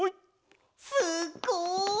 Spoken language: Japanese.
すっごい！